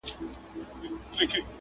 زولنې د زندانونو به ماتیږي!!